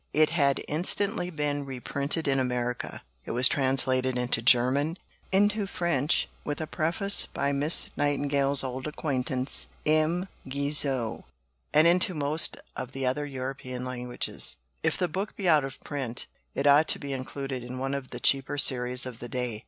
It had instantly been reprinted in America. It was translated into German, into French (with a preface by Miss Nightingale's old acquaintance, M. Guizot), and into most of the other European languages. If the book be out of print, it ought to be included in one of the cheaper series of the day.